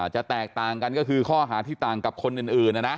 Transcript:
จะแตกต่างกันก็คือข้อหาที่ต่างกับคนอื่นนะนะ